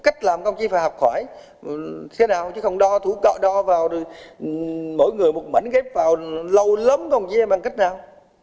cách làm công chí phải học khỏi thế nào chứ không đo vào mỗi người một mảnh ghép vào lâu lắm công chí bằng cách nào